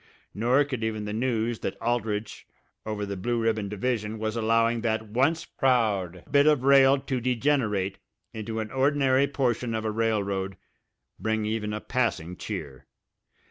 Nor could even the news that Aldrich, over on the Blue Ribbon division, was allowing that once proud bit of rail to degenerate into an ordinary portion of a railroad bring even a passing cheer.